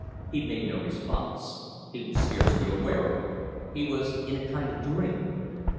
He made no response; he was scarcely aware of it. He was in a kind of dream.